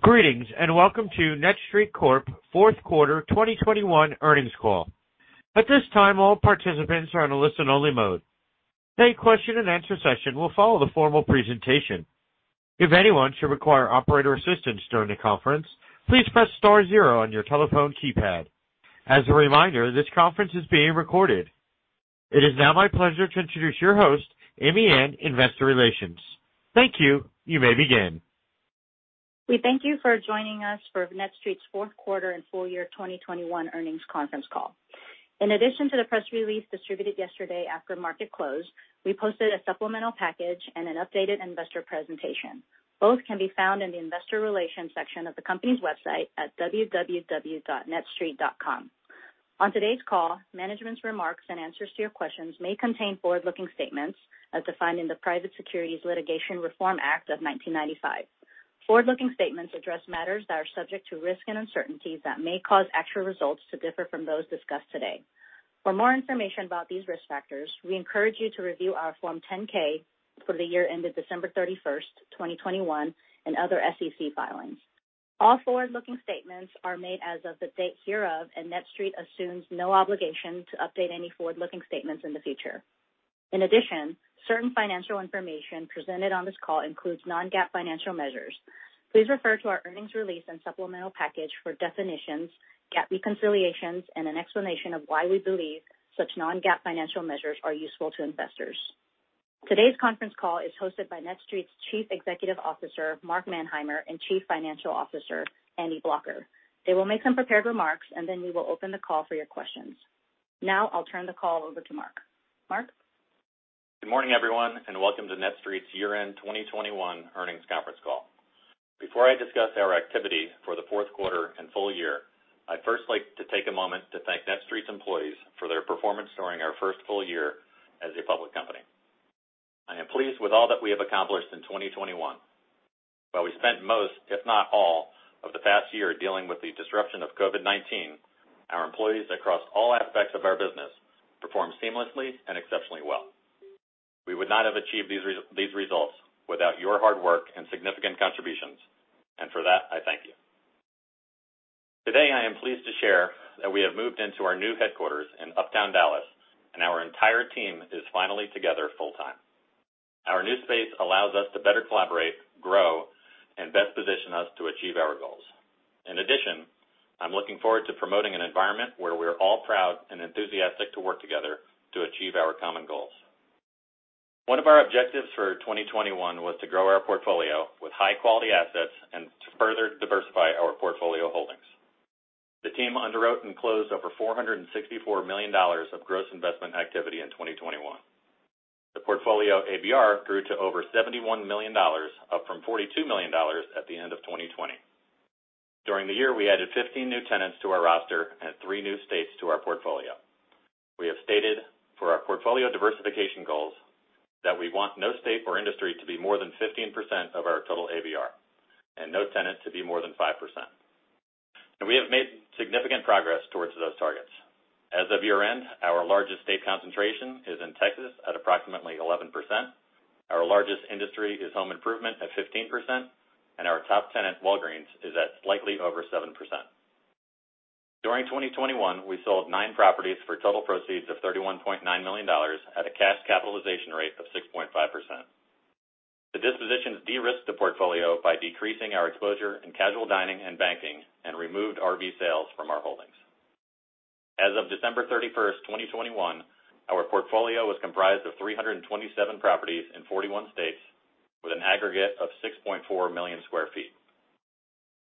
Greetings, and welcome to NETSTREIT Corp. fourth quarter 2021 earnings call. At this time, all participants are in a listen-only mode. A question-and-answer session will follow the formal presentation. If anyone should require operator assistance during the conference, please press *0 on your telephone keypad. As a reminder, this conference is being recorded. It is now my pleasure to introduce your host, Amy An, Investor Relations. Thank you. You may begin. We thank you for joining us for NETSTREIT's fourth quarter and full year 2021 earnings conference call. In addition to the press release distributed yesterday after market closed, we posted a supplemental package and an updated investor presentation. Both can be found in the investor relations section of the company's website at www.netstreit.com. On today's call, management's remarks and answers to your questions may contain forward-looking statements as defined in the Private Securities Litigation Reform Act of 1995. Forward-looking statements address matters that are subject to risks and uncertainties that may cause actual results to differ from those discussed today. For more information about these risk factors, we encourage you to review our Form 10-K for the year ended December 31, 2021, and other SEC filings. All forward-looking statements are made as of the date hereof, and NETSTREIT assumes no obligation to update any forward-looking statements in the future. In addition, certain financial information presented on this call includes non-GAAP financial measures. Please refer to our earnings release and supplemental package for definitions, GAAP reconciliations, and an explanation of why we believe such non-GAAP financial measures are useful to investors. Today's conference call is hosted by NETSTREIT's Chief Executive Officer, Mark Manheimer, and Chief Financial Officer, Andy Blocher. They will make some prepared remarks, and then we will open the call for your questions. Now I'll turn the call over to Mark. Mark? Good morning, everyone, and welcome to NETSTREIT's year-end 2021 earnings conference call. Before I discuss our activity for the fourth quarter and full year, I'd first like to take a moment to thank NETSTREIT's employees for their performance during our first full year as a public company. I am pleased with all that we have accomplished in 2021. While we spent most, if not all, of the past year dealing with the disruption of COVID-19, our employees across all aspects of our business performed seamlessly and exceptionally well. We would not have achieved these results without your hard work and significant contributions, and for that, I thank you. Today, I am pleased to share that we have moved into our new headquarters in Uptown Dallas and our entire team is finally together full-time. Our new space allows us to better collaborate, grow, and best position us to achieve our goals. In addition, I'm looking forward to promoting an environment where we're all proud and enthusiastic to work together to achieve our common goals. One of our objectives for 2021 was to grow our portfolio with high-quality assets and to further diversify our portfolio holdings. The team underwrote and closed over $464 million of gross investment activity in 2021. The portfolio ABR grew to over $71 million, up from $42 million at the end of 2020. During the year, we added 15 new tenants to our roster and three new states to our portfolio. We have stated for our portfolio diversification goals that we want no state or industry to be more than 15% of our total ABR and no tenant to be more than 5%. We have made significant progress towards those targets. As of year-end, our largest state concentration is in Texas at approximately 11%. Our largest industry is home improvement at 15%, and our top tenant, Walgreens, is at slightly over 7%. During 2021, we sold 9 properties for total proceeds of $31.9 million at a cash capitalization rate of 6.5%. The dispositions de-risked the portfolio by decreasing our exposure in casual dining and banking and removed RV sales from our holdings. As of December 31, 2021, our portfolio was comprised of 327 properties in 41 states with an aggregate of 6.4 million sq ft.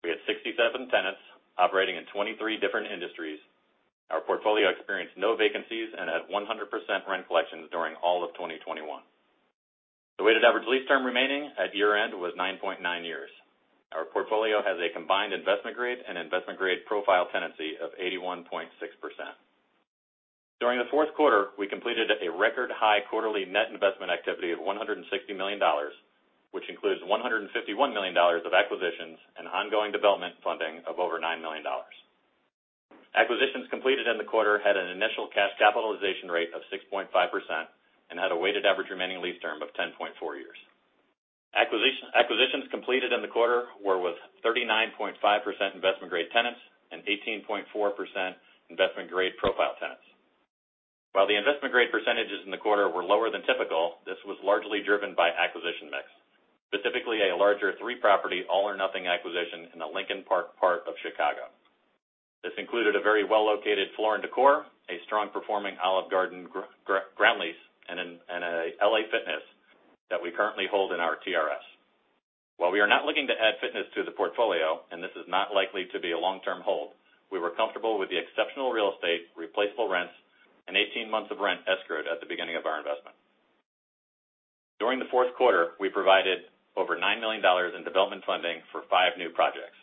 We had 67 tenants operating in 23 different industries. Our portfolio experienced no vacancies and had 100% rent collections during all of 2021. The weighted average lease term remaining at year-end was 9.9 years. Our portfolio has a combined investment grade and investment-grade profile tenancy of 81.6%. During the fourth quarter, we completed a record high quarterly net investment activity of $160 million, which includes $151 million of acquisitions and ongoing development funding of over $9 million. Acquisitions completed in the quarter had an initial cash capitalization rate of 6.5% and had a weighted average remaining lease term of 10.4 years. Acquisitions completed in the quarter were with 39.5% investment-grade tenants and 18.4% investment-grade profile tenants. While the investment-grade percentages in the quarter were lower than typical, this was largely driven by acquisition mix, specifically a larger 3-property all or nothing acquisition in the Lincoln Park part of Chicago. This included a very well-located Floor & Decor, a strong performing Olive Garden ground lease, and a LA Fitness that we currently hold in our TRS. While we are not looking to add fitness to the portfolio, and this is not likely to be a long-term hold, we were comfortable with the exceptional real estate, replaceable rents, and 18 months of rent escrowed at the beginning of our investment. During the fourth quarter, we provided over $9 million in development funding for 5 new projects,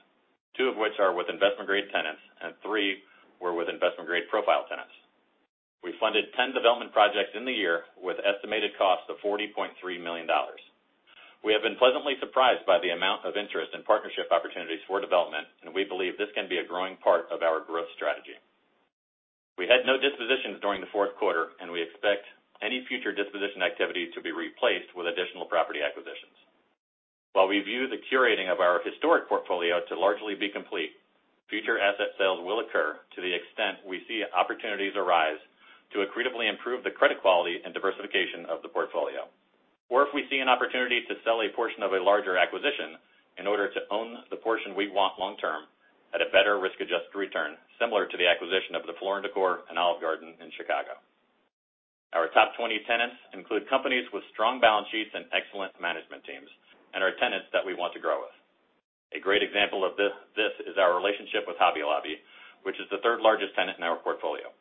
2 of which are with investment-grade tenants and 3 were with investment-grade profile tenants. We funded 10 development projects in the year with estimated costs of $40.3 million. We have been pleasantly surprised by the amount of interest in partnership opportunities for development, and we believe this can be a growing part of our growth strategy. We had no dispositions during the fourth quarter, and we expect any future disposition activity to be replaced with additional property acquisitions. While we view the curating of our historic portfolio to largely be complete, future asset sales will occur to the extent we see opportunities arise to accretively improve the credit quality and diversification of the portfolio. If we see an opportunity to sell a portion of a larger acquisition in order to own the portion we want long term at a better risk-adjusted return, similar to the acquisition of the Floor & Decor and Olive Garden in Chicago. Our top 20 tenants include companies with strong balance sheets and excellent management teams and are tenants that we want to grow with. A great example of this is our relationship with Hobby Lobby, which is the third-largest tenant in our portfolio.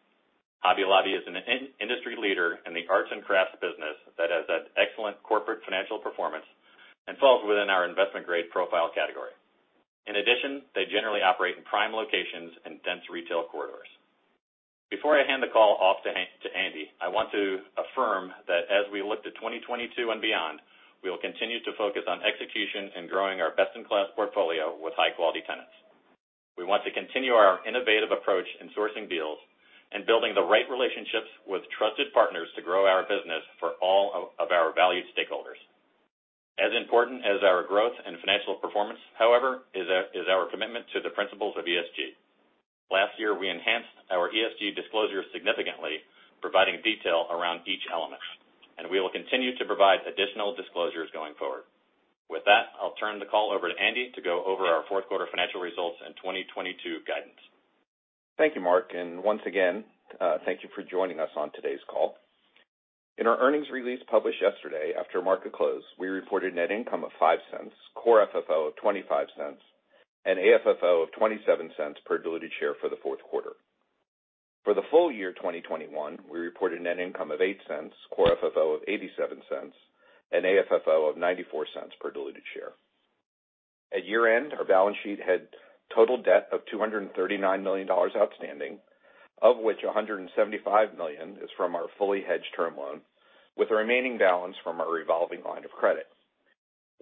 Hobby Lobby is an in-industry leader in the arts and crafts business that has had excellent corporate financial performance and falls within our investment grade profile category. In addition, they generally operate in prime locations and dense retail corridors. Before I hand the call off to Andy, I want to affirm that as we look to 2022 and beyond, we will continue to focus on execution and growing our best-in-class portfolio with high-quality tenants. We want to continue our innovative approach in sourcing deals and building the right relationships with trusted partners to grow our business for all of our valued stakeholders. As important as our growth and financial performance, however, is our commitment to the principles of ESG. Last year, we enhanced our ESG disclosure significantly, providing detail around each element, and we will continue to provide additional disclosures going forward. With that, I'll turn the call over to Andy to go over our fourth quarter financial results and 2022 guidance. Thank you, Mark. Once again, thank you for joining us on today's call. In our earnings release published yesterday after market close, we reported net income of $0.05, core FFO of $0.25, and AFFO of $0.27 per diluted share for the fourth quarter. For the full year 2021, we reported net income of $0.08, core FFO of $0.87, and AFFO of $0.94 per diluted share. At year-end, our balance sheet had total debt of $239 million outstanding, of which $175 million is from our fully hedged term loan, with the remaining balance from our revolving line of credit.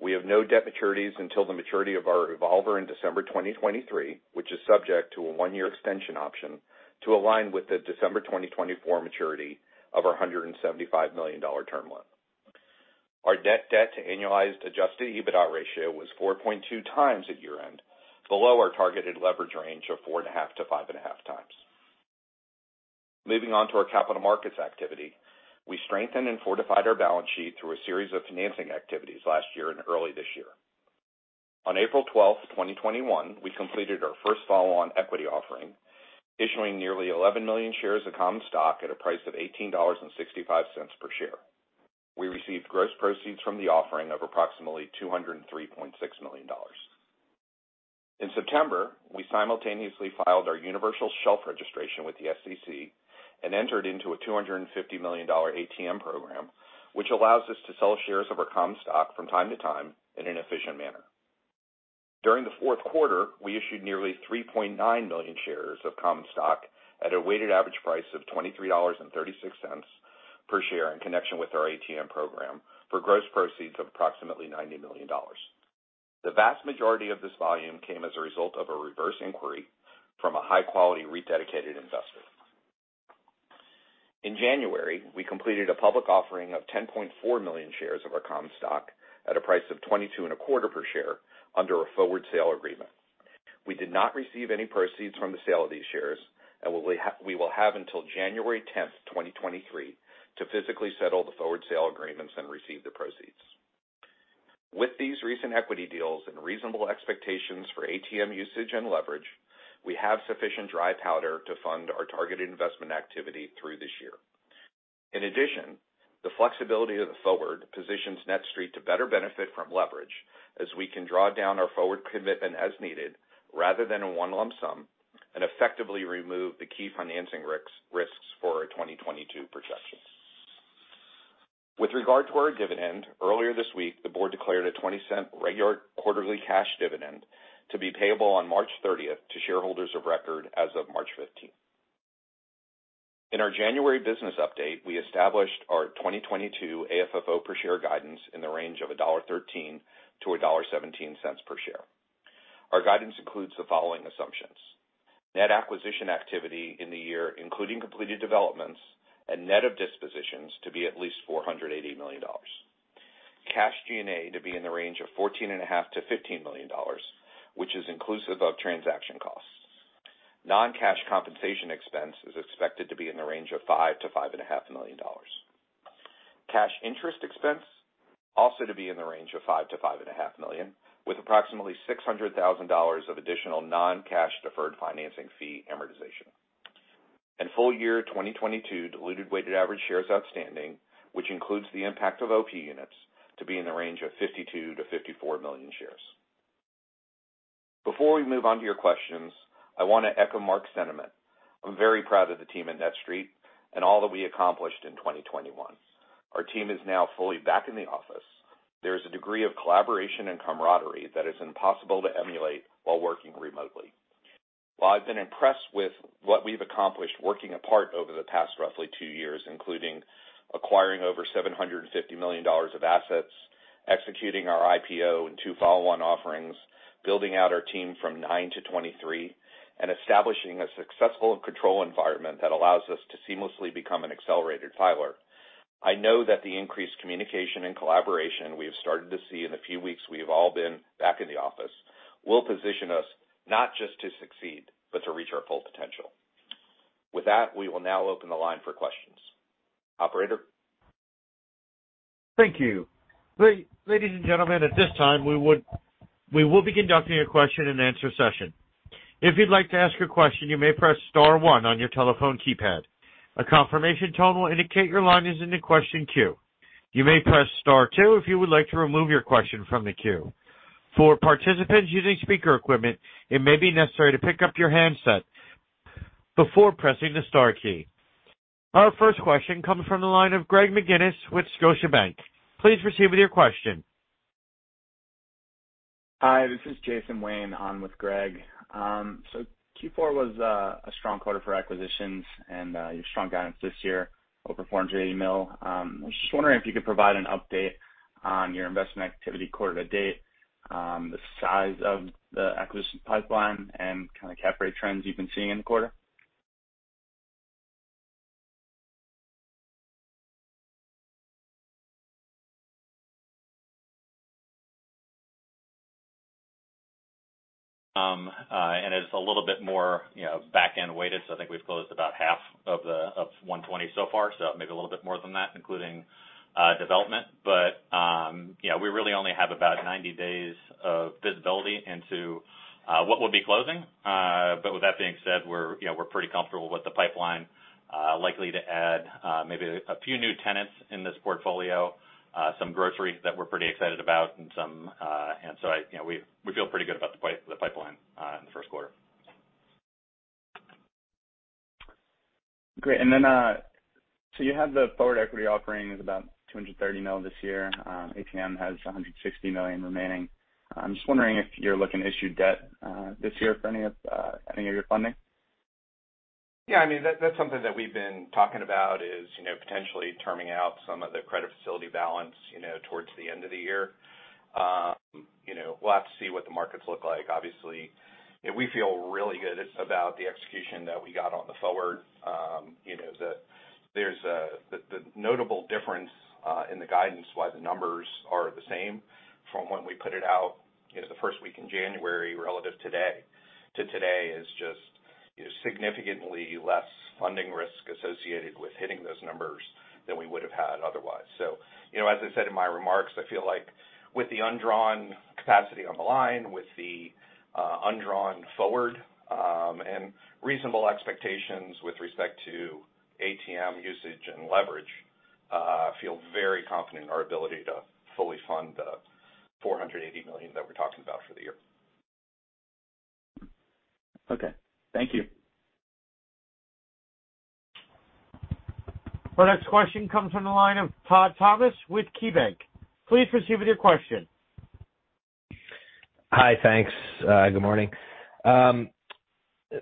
We have no debt maturities until the maturity of our revolver in December 2023, which is subject to a 1-year extension option to align with the December 2024 maturity of our $175 million term loan. Our debt to annualized adjusted EBITDA ratio was 4.2x at year-end, below our targeted leverage range of 4.5x-5.5x. Moving on to our capital markets activity, we strengthened and fortified our balance sheet through a series of financing activities last year and early this year. On April 12, 2021, we completed our first follow-on equity offering, issuing nearly 11 million shares of common stock at a price of $18.65 per share. We received gross proceeds from the offering of approximately $203.6 million. In September, we simultaneously filed our universal shelf registration with the SEC and entered into a $250 million ATM program, which allows us to sell shares of our common stock from time to time in an efficient manner. During the fourth quarter, we issued nearly 3.9 million shares of common stock at a weighted average price of $23.36 per share in connection with our ATM program for gross proceeds of approximately $90 million. The vast majority of this volume came as a result of a reverse inquiry from a high-quality real estate dedicated investor. In January, we completed a public offering of 10.4 million shares of our common stock at a price of $22.25 per share under a forward sale agreement. We did not receive any proceeds from the sale of these shares, and we will have until January 10, 2023, to physically settle the forward sale agreements and receive the proceeds. With these recent equity deals and reasonable expectations for ATM usage and leverage, we have sufficient dry powder to fund our targeted investment activity through this year. In addition, the flexibility of the forward positions NETSTREIT to better benefit from leverage as we can draw down our forward commitment as needed rather than in one lump sum and effectively remove the key financing risks for our 2022 projections. With regard to our dividend, earlier this week, the board declared a $0.20 regular quarterly cash dividend to be payable on March 30 to shareholders of record as of March 15. In our January business update, we established our 2022 AFFO per share guidance in the range of $1.13-$1.17 per share. Our guidance includes the following assumptions. Net acquisition activity in the year, including completed developments and net of dispositions to be at least $480 million. Cash G&A to be in the range of $14.5 million-$15 million, which is inclusive of transaction costs. Non-cash compensation expense is expected to be in the range of $5 million-$5.5 million. Cash interest expense also to be in the range of $5 million-$5.5 million, with approximately $600,000 of additional non-cash deferred financing fee amortization. Full year 2022 diluted weighted average shares outstanding, which includes the impact of OP units, to be in the range of 52-54 million shares. Before we move on to your questions, I want to echo Mark's sentiment. I'm very proud of the team at NETSTREIT and all that we accomplished in 2021. Our team is now fully back in the office. There is a degree of collaboration and camaraderie that is impossible to emulate while working remotely. While I've been impressed with what we've accomplished working apart over the past roughly two years, including acquiring over $750 million of assets Executing our IPO in two follow-on offerings, building out our team from 9 to 23, and establishing a successful control environment that allows us to seamlessly become an accelerated filer. I know that the increased communication and collaboration we have started to see in the few weeks we have all been back in the office will position us not just to succeed, but to reach our full potential. With that, we will now open the line for questions. Operator? Thank you. Ladies and gentlemen, at this time, we will be conducting a question-and-answer session. If you'd like to ask a question, you may press *1 on your telephone keypad. A confirmation tone will indicate your line is in the question queue. You may press *2 if you would like to remove your question from the queue. For participants using speaker equipment, it may be necessary to pick up your handset before pressing the star key. Our first question comes from the line of Greg McGinniss with Scotiabank. Please proceed with your question. Hi, this is Jay Kornreich on with Greg McGinniss. Q4 was a strong quarter for acquisitions and your strong guidance this year over $480 million. I was just wondering if you could provide an update on your investment activity quarter to date, the size of the acquisition pipeline and kind of cap rate trends you've been seeing in the quarter. It's a little bit more, you know, back-end weighted, so I think we've closed about half of the $120 so far, so maybe a little bit more than that, including development. You know, we really only have about 90 days of visibility into what we'll be closing. With that being said, we're, you know, we're pretty comfortable with the pipeline likely to add maybe a few new tenants in this portfolio, some groceries that we're pretty excited about and some and so, you know, we feel pretty good about the pipeline in the first quarter. Great. You have the follow-on equity offering is about $230 million this year. ATM has $160 million remaining. I'm just wondering if you're looking to issue debt this year for any of your funding. Yeah, I mean, that's something that we've been talking about is, you know, potentially terming out some of the credit facility balance, you know, towards the end of the year. You know, we'll have to see what the markets look like. Obviously, we feel really good about the execution that we got on the forward. You know, there's the notable difference in the guidance why the numbers are the same from when we put it out in the first week in January relative to today is just significantly less funding risk associated with hitting those numbers than we would have had otherwise. You know, as I said in my remarks, I feel like with the undrawn capacity on the line, with the undrawn forward, and reasonable expectations with respect to ATM usage and leverage, I feel very confident in our ability to fully fund the $480 million that we're talking about for the year. Okay. Thank you. Our next question comes from the line of Todd Thomas with KeyBanc. Please proceed with your question. Hi, thanks. Good morning.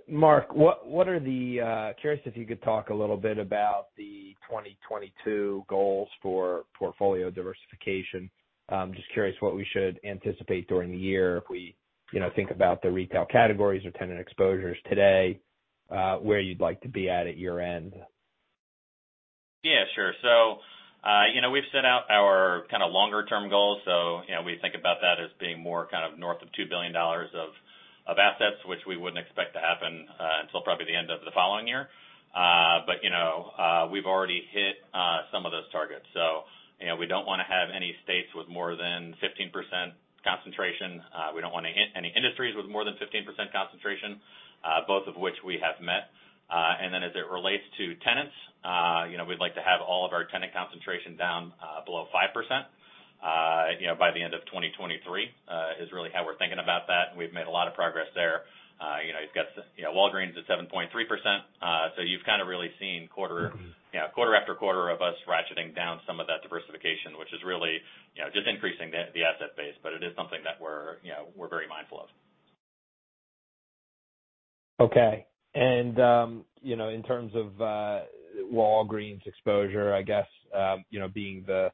Mark, curious if you could talk a little bit about the 2022 goals for portfolio diversification. I'm just curious what we should anticipate during the year if we, you know, think about the retail categories or tenant exposures today, where you'd like to be at year-end. Yeah, sure. You know, we've set out our kinda longer term goals. You know, we think about that as being more kind of north of $2 billion of assets, which we wouldn't expect to happen until probably the end of the following year. You know, we've already hit some of those targets. You know, we don't wanna have any states with more than 15% concentration. We don't wanna hit any industries with more than 15% concentration, both of which we have met. As it relates to tenants, you know, we'd like to have all of our tenant concentration down below 5%, you know, by the end of 2023, is really how we're thinking about that, and we've made a lot of progress there. You know, you've got, you know, Walgreens at 7.3%. You've kind of really seen quarter- Mm-hmm. You know, quarter after quarter of us ratcheting down some of that diversification, which is really, you know, just increasing the asset base, but it is something that we're very mindful of. Okay. In terms of Walgreens exposure, I guess you know, being the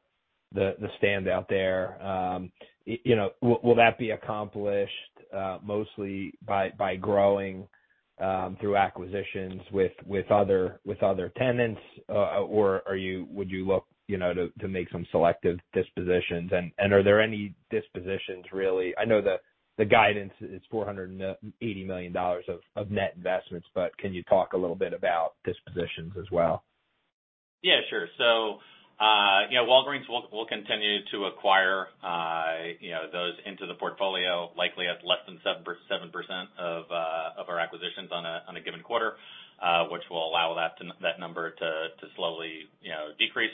standout there, you know, will that be accomplished mostly by growing through acquisitions with other tenants? Or would you look you know to make some selective dispositions? Are there any dispositions, really? I know the guidance is $480 million of net investments, but can you talk a little bit about dispositions as well? Yeah, sure. You know, Walgreens will continue to acquire those into the portfolio, likely at less than 7% of our acquisitions on a given quarter, which will allow that number to slowly, you know, decrease.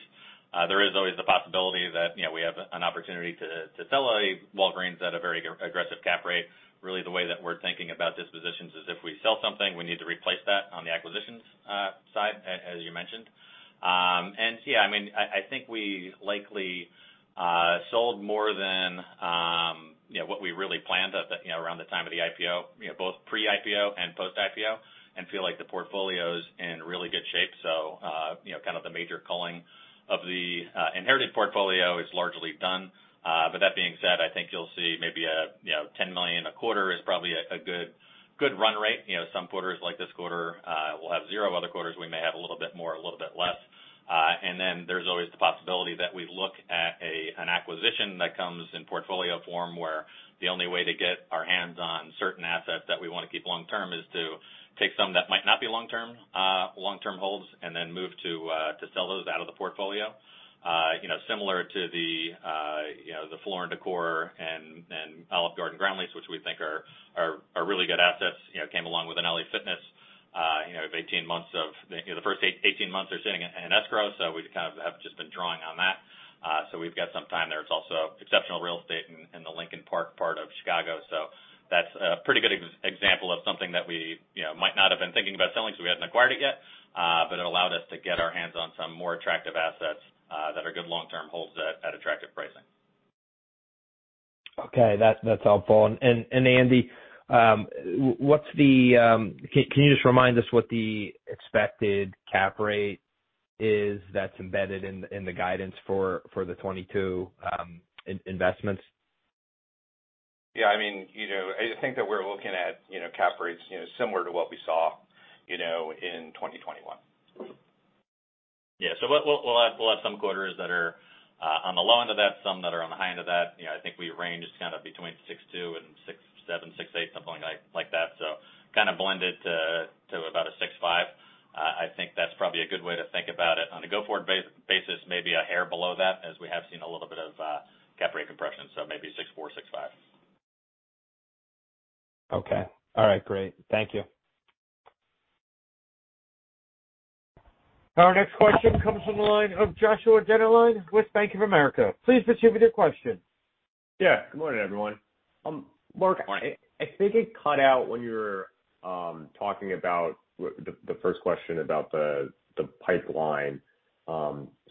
There is always the possibility that, you know, we have an opportunity to sell a Walgreens at a very aggressive cap rate. Really, the way that we're thinking about dispositions is if we sell something, we need to replace that on the acquisitions side, as you mentioned. Yeah, I mean, I think we likely sold more than, around the time of the IPO, you know, both pre-IPO and post-IPO, and feel like the portfolio's in really good shape. You know, kind of the major culling of the inherited portfolio is largely done. That being said, I think you'll see maybe you know $10 million a quarter is probably a good run rate. You know, some quarters like this quarter, we'll have zero. Other quarters we may have a little bit more, a little bit less. Then there's always the possibility that we look at an acquisition that comes in portfolio form, where the only way to get our hands on certain assets that we wanna keep long term is to take some that might not be long term, long-term holds, and then move to sell those out of the portfolio. You know, similar to the Floor & Decor and Olive Garden ground leases, which we think are really good assets, you know, came along with an LA Fitness. You know, the first 18 months are sitting in escrow, so we kind of have just been drawing on that. We've got some time there. It's also exceptional real estate in the Lincoln Park part of Chicago. That's a pretty good example of something that we, you know, might not have been thinking about selling, so we hadn't acquired it yet. It allowed us to get our hands on some more attractive assets that are good long-term holds at attractive pricing. Okay, that's helpful. Andy, can you just remind us what the expected cap rate is that's embedded in the guidance for the 2022 investments? Yeah, I mean, you know, I think that we're looking at, you know, cap rates, you know, similar to what we saw, you know, in 2021. Yeah. We'll have some quarters that are on the low end of that, some that are on the high end of that. You know, I think we range kind of between 6.2% and 6.7%, 6.8%, something like that. Kind of blended to about a 6.5%. I think that's probably a good way to think about it. On a go-forward basis, maybe a hair below that, as we have seen a little bit of cap rate compression, so maybe 6.4%, 6.5%. Okay. All right, great. Thank you. Our next question comes from the line of Joshua Dennerlein with Bank of America. Please proceed with your question. Yeah. Good morning, everyone. Mark- Morning. I think it cut out when you were talking about the first question about the pipeline.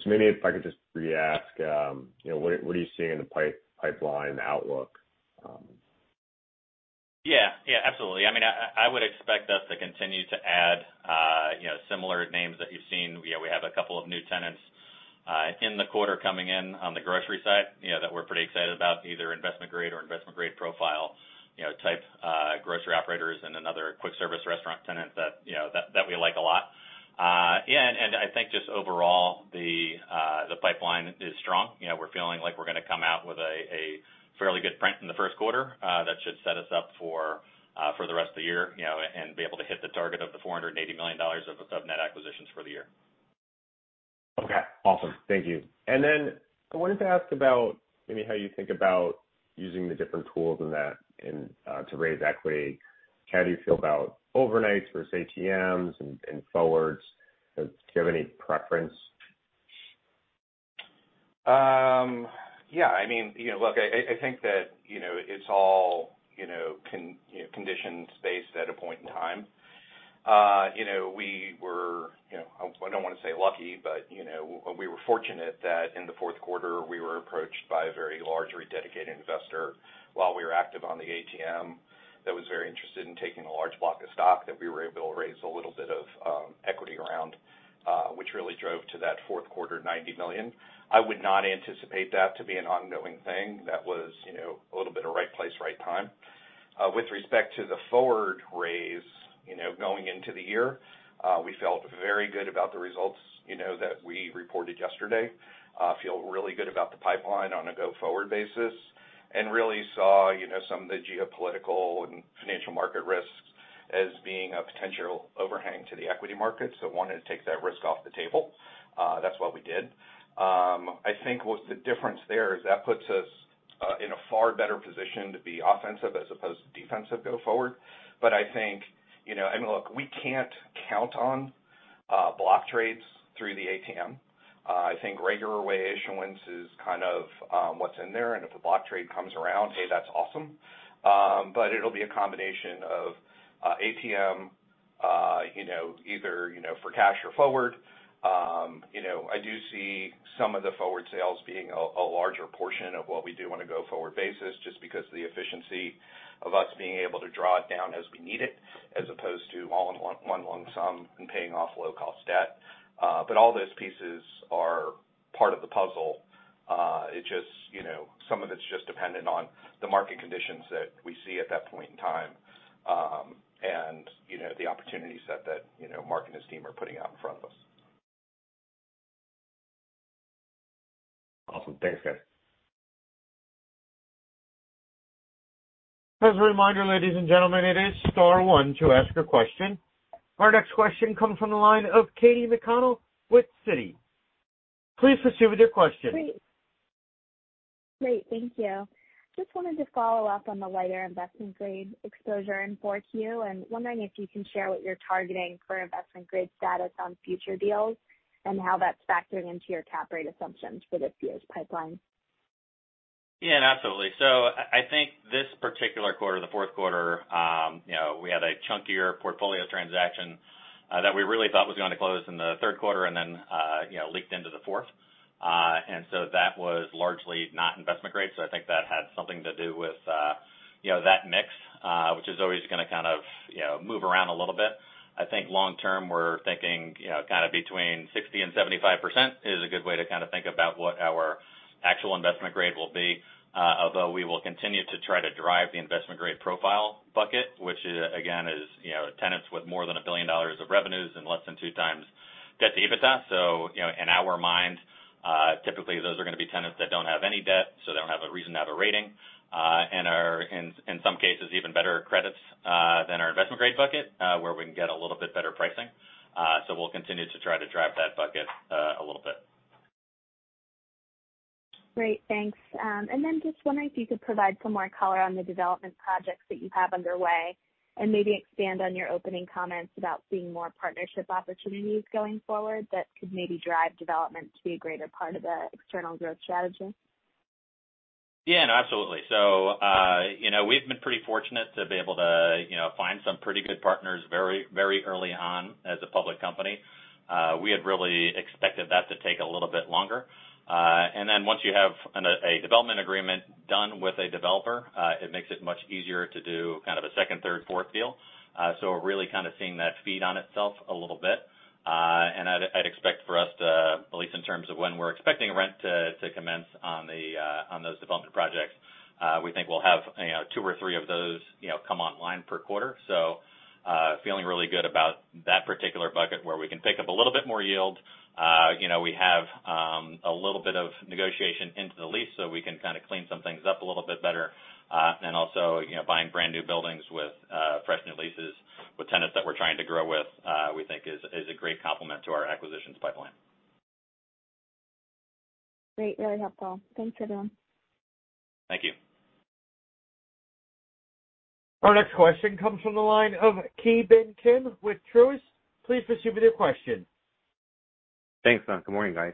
Maybe if I could just re-ask, you know, what are you seeing in the pipeline outlook? Yeah. Yeah, absolutely. I mean, I would expect us to continue to add, you know, similar names that you've seen. You know, we have a couple of new tenants in the quarter coming in on the grocery side, you know, that we're pretty excited about, either investment grade or investment grade profile, you know, type grocery operators and another quick service restaurant tenant that, you know, that we like a lot. Yeah, and I think just overall the pipeline is strong. You know, we're feeling like we're gonna come out with a fairly good print in the first quarter that should set us up for the rest of the year, you know, and be able to hit the target of $480 million of net acquisitions for the year. Okay, awesome. Thank you. I wanted to ask about maybe how you think about using the different tools in that and to raise equity. How do you feel about overnights versus ATMs and forwards? Do you have any preference? I mean, you know, look, I think that, you know, it's all, you know, condition space at a point in time. You know, we were, you know, I don't want to say lucky, but, you know, we were fortunate that in the fourth quarter, we were approached by a very large real estate dedicated investor while we were active on the ATM, that was very interested in taking a large block of stock that we were able to raise a little bit of equity around, which really drove to that fourth quarter $90 million. I would not anticipate that to be an ongoing thing. That was, you know, a little bit of right place, right time. With respect to the forward raise, you know, going into the year, we felt very good about the results, you know, that we reported yesterday. I feel really good about the pipeline on a go-forward basis, and really saw, you know, some of the geopolitical and financial market risks as being a potential overhang to the equity market. Wanted to take that risk off the table. That's what we did. I think what the difference there is that puts us in a far better position to be offensive as opposed to defensive go forward. I think, you know, I mean, look, we can't count on block trades through the ATM. I think regular way issuance is kind of what's in there, and if a block trade comes around, hey, that's awesome. It'll be a combination of ATM, you know, either, you know, for cash or forward. You know, I do see some of the forward sales being a larger portion of what we do on a go-forward basis, just because of the efficiency of us being able to draw it down as we need it, as opposed to all in one lump sum and paying off low-cost debt. All those pieces are part of the puzzle. It just, you know, some of it's just dependent on the market conditions that we see at that point in time, and, you know, the opportunities that, you know, Mark and his team are putting out in front of us. Awesome. Thanks, guys. As a reminder, ladies and gentlemen, it is star one to ask a question. Our next question comes from the line of Katy McConnell with Citi. Please proceed with your question. Great. Thank you. Just wanted to follow up on the lighter investment-grade exposure in Q4, and wondering if you can share what you're targeting for investment-grade status on future deals and how that's factoring into your cap rate assumptions for this year's pipeline. Yeah, absolutely. I think this particular quarter, the fourth quarter, to your portfolio transaction, that we really thought was gonna close in the third quarter and then, you know, leaked into the fourth. That was largely not investment grade, so I think that had something to do with, you know, that mix, which is always gonna kind of, you know, move around a little bit. I think long term, we're thinking, you know, kind of between 60%-75% is a good way to kinda think about what our actual investment grade will be, although we will continue to try to drive the investment grade profile bucket, which is, again, you know, tenants with more than $1 billion of revenues and less than 2x debt to EBITDA. You know, in our mind, typically, those are gonna be tenants that don't have any debt, so they don't have a reason to have a rating, and are in some cases, even better credits than our investment grade bucket, where we can get a little bit better pricing. We'll continue to try to drive that bucket a little bit. Great. Thanks. Just wondering if you could provide some more color on the development projects that you have underway and maybe expand on your opening comments about seeing more partnership opportunities going forward that could maybe drive development to be a greater part of the external growth strategy. Yeah, no, absolutely. You know, we've been pretty fortunate to be able to, you know, find some pretty good partners very, very early on as a public company. We had really expected that to take a little bit longer. Once you have a development agreement done with a developer, it makes it much easier to do kind of a second, third, fourth deal. We're really kind of seeing that feed on itself a little bit. I'd expect for us to, at least in terms of when we're expecting rent to commence on those development projects, we think we'll have, you know, two or three of those, you know, come online per quarter. Feeling really good about that particular bucket where we can pick up a little bit more yield. You know, we have a little bit of negotiation into the lease, so we can kinda clean some things up a little bit better. You know, buying brand-new buildings with fresh new leases with tenants that we're trying to grow with, we think is a great complement to our acquisitions pipeline. Great. Very helpful. Thanks, everyone. Thank you. Our next question comes from the line of Ki Bin Kim with Truist. Please proceed with your question. Thanks. Good morning, guys.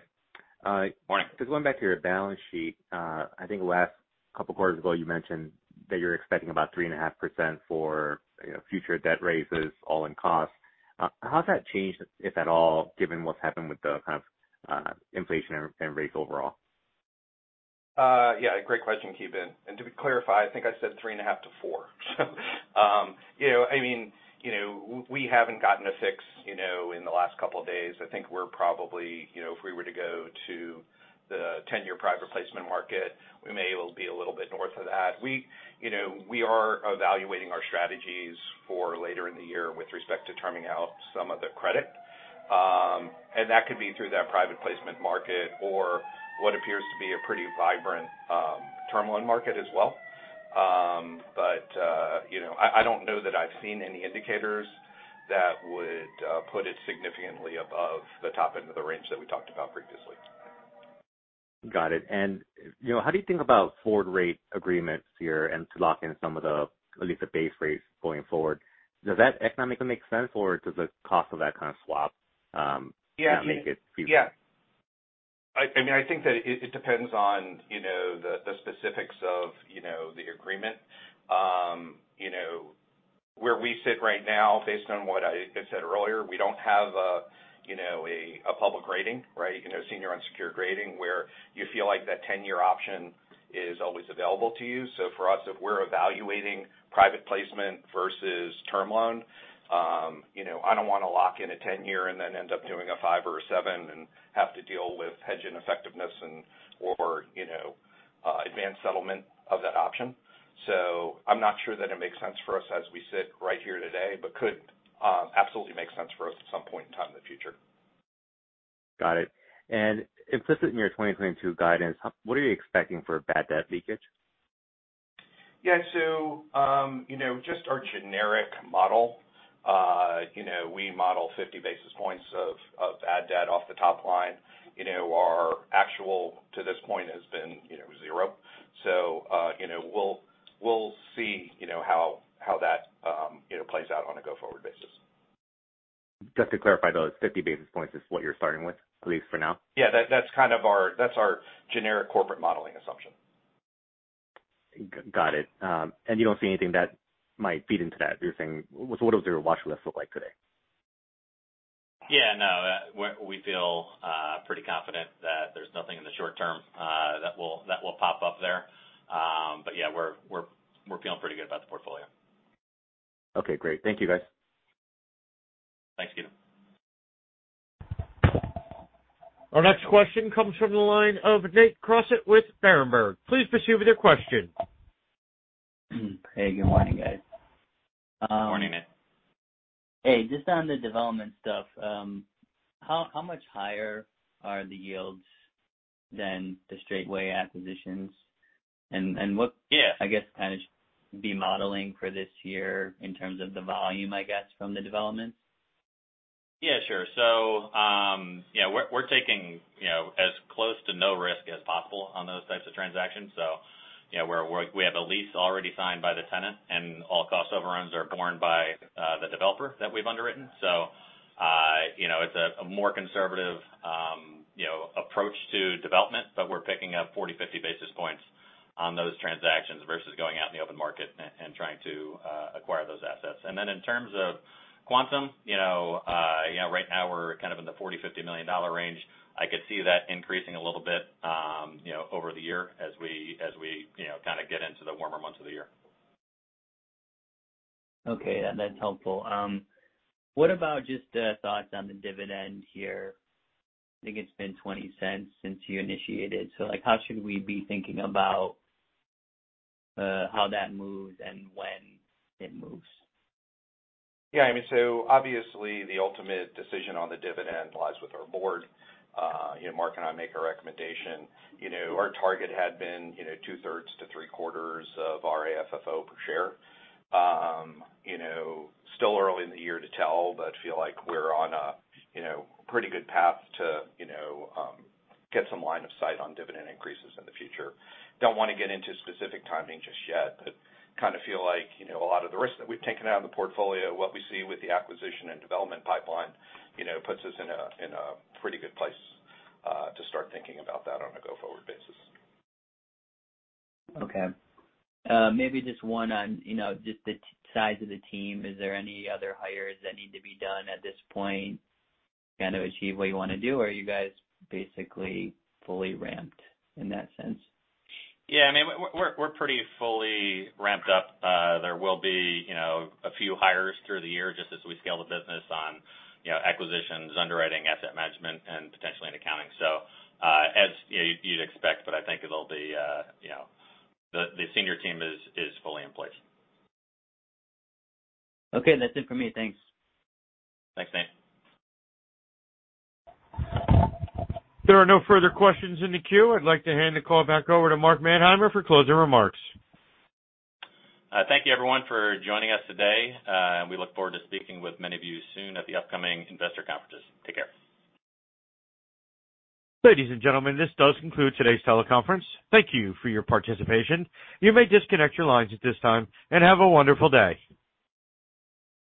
Morning. Just going back to your balance sheet. I think last couple quarters ago, you mentioned that you're expecting about 3.5% for, you know, future debt raises all in cost. How's that changed, if at all, given what's happened with the kind of, inflation and rates overall? Yeah, great question, Ki Bin. To clarify, I think I said 3.5%-4%. You know, I mean, you know, we haven't gotten a fix, you know, in the last couple of days. I think we're probably, you know, if we were to go to the 10-year private placement market, we may well be a little bit north of that. You know, we are evaluating our strategies for later in the year with respect to terming out some of the credit. That could be through that private placement market or what appears to be a pretty vibrant term loan market as well. You know, I don't know that I've seen any indicators that would put it significantly above the top end of the range that we talked about previously. Got it. You know, how do you think about forward rate agreements here and to lock in some of the, at least the base rates going forward? Does that economically make sense, or does the cost of that kind of swap, Yeah. Kinda make it feasible? Yeah. I mean, I think that it depends on, you know, the specifics of, you know, the agreement. You know, where we sit right now, based on what I said earlier, we don't have a, you know, a public rating, right? You know, senior unsecured rating, where you feel like that 10-year option is always available to you. So for us, if we're evaluating private placement versus term loan, you know, I don't wanna lock in a 10-year and then end up doing a 5 or a 7 and have to deal with hedge ineffectiveness and/or, you know, advanced settlement of that option. So I'm not sure that it makes sense for us as we sit right here today, but could absolutely make sense for us at some point in time in the future. Got it. Implicit in your 2022 guidance, what are you expecting for bad debt leakage? Yeah. You know, just our generic model, you know, we model 50 basis points of bad debt off the top line. You know, our actual to this point has been, you know, 0. You know, we'll see, you know, how that, you know, plays out on a go-forward basis. Just to clarify, though, 50 basis points is what you're starting with, at least for now? Yeah, that's our generic corporate modeling assumption. Got it. You don't see anything that might feed into that, you're saying. What does your watch list look like today? Yeah, no. We feel pretty confident that there's nothing in the short term that will pop up there. Yeah, we're feeling pretty good about the portfolio. Okay, great. Thank you, guys. Thanks, Ki Bin Kim. Our next question comes from the line of Nate Crossett with Berenberg. Please proceed with your question. Hey, good morning, guys. Morning, Nate. Hey, just on the development stuff, how much higher are the yields than the straight way acquisitions? And what- Yeah. I guess, kind of should be modeling for this year in terms of the volume, I guess, from the development? Yeah, sure. Yeah, we're taking you know as close to no risk as possible on those types of transactions. You know, we're we have a lease already signed by the tenant, and all cost overruns are borne by the developer that we've underwritten. You know, it's a more conservative you know approach to development, but we're picking up 40-50 basis points on those transactions versus going out in the open market and trying to acquire those assets. Then in terms of quantum, you know right now we're kind of in the $40-$50 million range. I could see that increasing a little bit you know over the year as we you know kinda get into the warmer months of the year. Okay. That's helpful. What about just thoughts on the dividend here? I think it's been $0.20 since you initiated. Like, how should we be thinking about how that moves and when it moves? Yeah, I mean, obviously the ultimate decision on the dividend lies with our board. You know, Mark and I make a recommendation. You know, our target had been, you know, two-thirds to three-quarters of our AFFO per share. You know, still early in the year to tell, but feel like we're on a, you know, pretty good path to, you know, get some line of sight on dividend increases in the future. Don't wanna get into specific timing just yet, but kinda feel like, you know, a lot of the risks that we've taken out of the portfolio, what we see with the acquisition and development pipeline, you know, puts us in a pretty good place to start thinking about that on a go-forward basis. Okay. Maybe just one on, you know, just the size of the team. Is there any other hires that need to be done at this point, kinda achieve what you wanna do? Or are you guys basically fully ramped in that sense? Yeah. I mean, we're pretty fully ramped up. There will be, you know, a few hires through the year just as we scale the business on, you know, acquisitions, underwriting, asset management, and potentially in accounting. So, as you know, you'd expect, but I think it'll be, you know. The senior team is fully in place. Okay. That's it for me. Thanks. Thanks, Nate. There are no further questions in the queue. I'd like to hand the call back over to Mark Manheimer for closing remarks. Thank you everyone for joining us today. We look forward to speaking with many of you soon at the upcoming investor conferences. Take care. Ladies and gentlemen, this does conclude today's teleconference. Thank you for your participation. You may disconnect your lines at this time, and have a wonderful day.